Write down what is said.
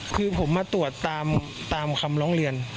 คือผมมาตรวจตามคำร้องเรียน